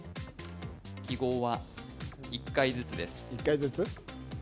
記号は１回ずつです。